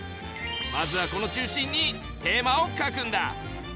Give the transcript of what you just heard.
まずはこの中心にテーマを書くんだ！